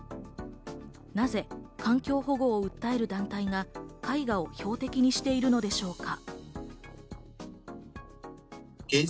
なぜ環境保護を訴える団体が絵画を標的にしているのでしょうか？